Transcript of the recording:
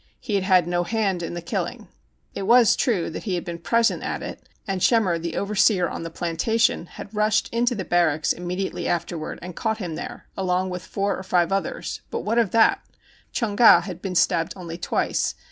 He had had no hand in the kilHng. It was true he had been present at it, and Schemmer, the overseer on the plantation, had rushed into the barracks immediately afterward and caught him there, along with four or five others ; but what of that ? Chung Ga had been stabbed only twice.